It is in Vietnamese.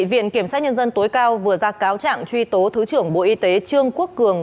viện kiểm sát nhân dân tối cao vừa ra cáo trạng truy tố thứ trưởng bộ y tế trương quốc cường